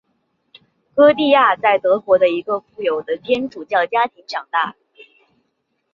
歌地亚在德国的一个富有的天主教家庭长大。